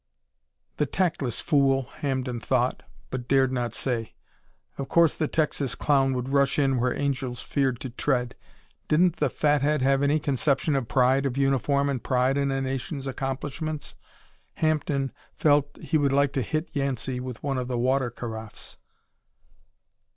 "The tactless fool!" Hampden thought, but dared not say. Of course the Texas clown would rush in where angels feared to tread. Didn't the fathead have any conception of pride of uniform and pride in a nation's accomplishments? Hampden felt that he would like to hit Yancey with one of the water carafes.